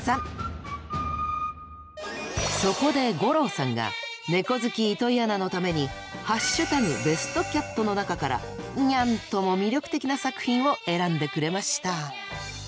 そこで五郎さんがネコ好き糸井アナのために「＃ベストキャット」の中からにゃんとも魅力的な作品を選んでくれました。